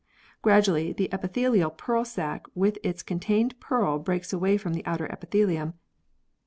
Gradually the epithelial pearl sac with its contained pearl breaks away from the outer epithelium (fig.